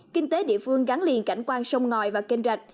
kinh tế địa phương gắn liền cảnh quan sông ngòi và kênh rạch